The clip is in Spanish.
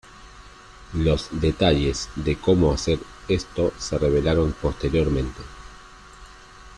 Los detalles de cómo hacer esto se revelaron posteriormente.